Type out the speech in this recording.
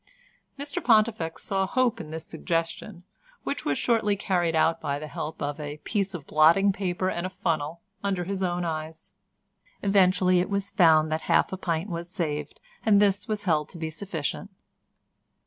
Mr Pontifex saw hope in this suggestion, which was shortly carried out by the help of a piece of blotting paper and a funnel, under his own eyes. Eventually it was found that half a pint was saved, and this was held to be sufficient.